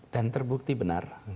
dan terbukti benar